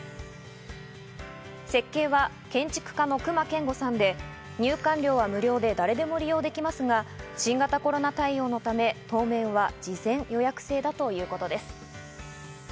設計は建築家の隈研吾さんで、入館料は無料で誰でも利用できますが、新型コロナ対応のため、当面は事前予約制だということです。